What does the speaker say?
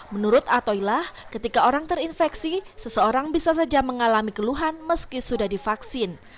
menurut atoilah ketika orang terinfeksi seseorang bisa saja mengalami keluhan meski sudah divaksin